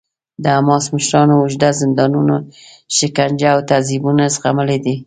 د حماس مشرانو اوږده زندانونه، شکنجه او تعذیبونه زغملي دي.